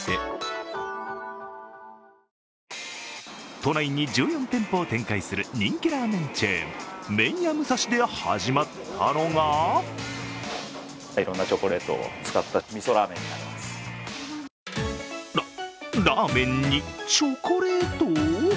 都内に１４店舗を展開する人気ラーメンチェーン麺屋武蔵で始まったのがら、ラーメンにチョコレート？